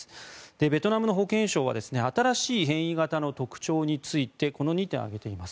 ベトナムの保健相は新しい変異型の特徴についてこの２点を挙げています。